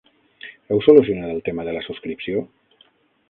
Heu solucionat el tema de la subscripció?